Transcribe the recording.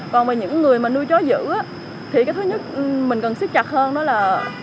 còn về những người nuôi chó dữ thì cái thứ nhất mình cần xích chặt hơn đó là